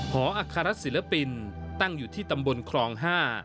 หออัครศิลปินตั้งอยู่ที่ตำบลครองห้า